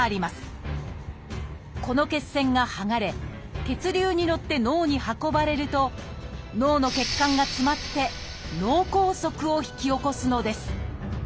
この血栓が剥がれ血流に乗って脳に運ばれると脳の血管が詰まって脳梗塞を引き起こすのです。